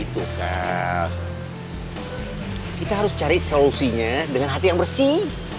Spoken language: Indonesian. kita harus cari solusinya dengan hati yang bersih